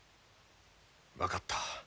分かった。